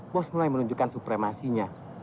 bos mulai menunjukkan supremasinya